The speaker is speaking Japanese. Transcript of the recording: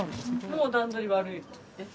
もう段取り悪い。